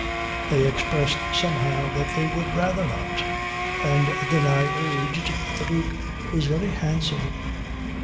They expressed, somehow, that they would rather not, and then I urged that the Duke was very handsome.